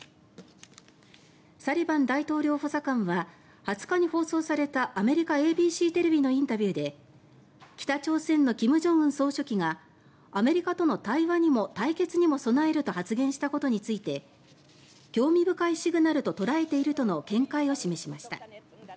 サリバン大統領補佐官は２０日に放送されたアメリカＡＢＣテレビのインタビューで北朝鮮の金正恩総書記がアメリカとの対話にも対決にも備えると発言したことについて興味深いシグナルと捉えているとの見解を示しました。